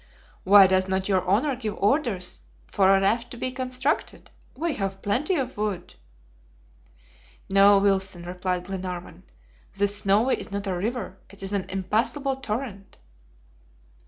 "Why does not your honor give orders for a raft to be constructed? We have plenty of wood." "No, Wilson," replied Glenarvan; "this Snowy is not a river, it is an impassable torrent."